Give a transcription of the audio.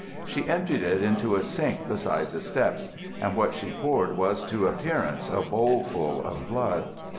She emptied it into a sink beside the steps, and what she poured was to appearance a bowlful of blood.